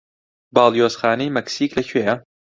باڵیۆزخانەی مەکسیک لەکوێیە؟